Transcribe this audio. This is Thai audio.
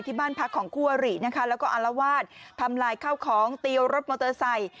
ที่บ้านพักของคู่อรินะคะแล้วก็อารวาสทำลายข้าวของตีรถมอเตอร์ไซค์